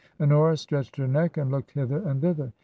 Honora stretched her neck and looked hither and thither.